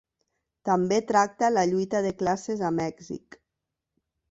També tracta la lluita de classes a Mèxic.